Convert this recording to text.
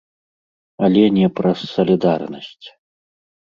Але не праз салідарнасць.